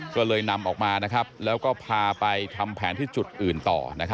ก็เลยนำออกมาแล้วก็พาไปทำแผนที่จุดอื่นต่อ